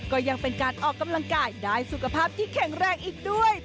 ก็ยังเป็นการออกกำลังกายได้สุขภาพที่แข็งแรงอีกด้วย